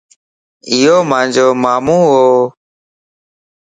ايو مانجو مامون وَ